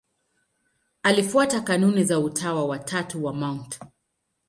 Alifuata kanuni za Utawa wa Tatu wa Mt.